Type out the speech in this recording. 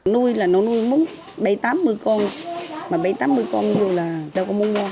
núi là nó nuôi múc bảy mươi tám mươi con mà bảy mươi tám mươi con nhiều là đâu có mua